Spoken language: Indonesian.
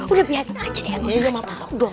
udah biar aja deh